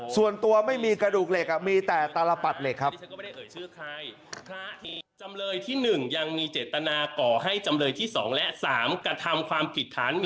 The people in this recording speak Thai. ส่วนตัวไม่มีกระดูกเหล็กมีแต่ตลปัดเหล็กครับ